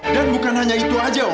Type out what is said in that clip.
dan bukan hanya itu aja oma